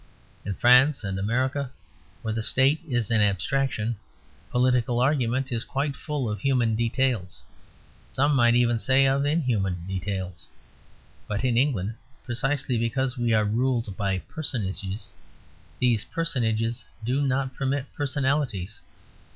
In France and America, where the State is an abstraction, political argument is quite full of human details some might even say of inhuman details. But in England, precisely because we are ruled by personages, these personages do not permit personalities.